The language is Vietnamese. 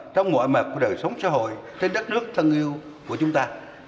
trong ngoại mạc của đời sống xã hội trên đất nước thân yêu của chúng ta